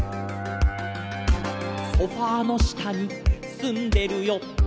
「ソファの下にすんでるよ」